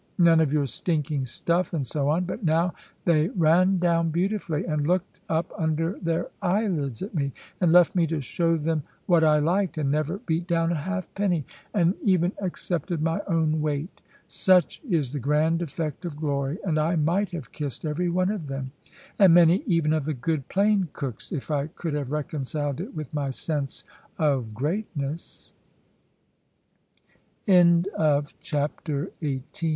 "None of your stinking stuff!" and so on. But now they ran down beautifully, and looked up under their eyelids at me, and left me to show them what I liked, and never beat down a halfpenny, and even accepted my own weight. Such is the grand effect of glory; and I might have kissed every one of them, and many even of the good plain cooks, if I could have reconciled it with my sense of greatness. CHAPTER XIX. A CRAFT BEYOND THE LAW.